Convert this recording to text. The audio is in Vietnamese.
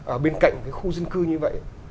ở bên cạnh khu dân cư như vậy